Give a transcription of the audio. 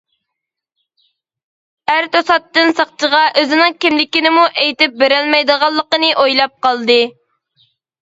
ئەر توساتتىن ساقچىغا ئۆزىنىڭ كىملىكىنىمۇ ئېيتىپ بېرەلمەيدىغانلىقىنى ئويلاپ قالدى.